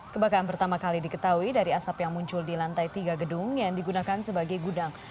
kebakaran pertama kali diketahui dari asap yang muncul di lantai tiga gedung yang digunakan sebagai gudang